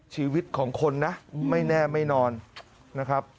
ชีวิตของคนนะไม่แน่ไม่นอนนะครับ